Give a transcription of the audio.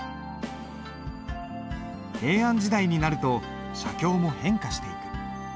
平安時代になると写経も変化していく。